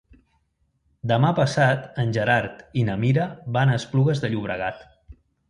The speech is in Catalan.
Demà passat en Gerard i na Mira van a Esplugues de Llobregat.